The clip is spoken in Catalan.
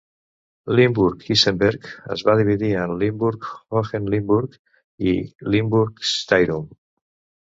Limburg-Isenberg es va dividir en Limburg-Hohenlimburg i Limburg-Styrum.